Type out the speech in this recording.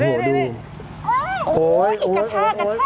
โอ้โฮอีกกระชากโอ๊ย